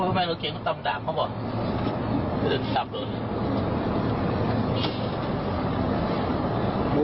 เอาอีกเดี๋ยว